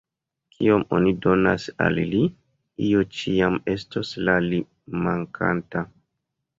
Kiom oni donas al li, io ĉiam estos al li “mankanta”.